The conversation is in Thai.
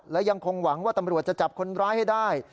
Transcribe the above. และยังคงหวังว่าตำรวจจะจับคนร้ายให้ได้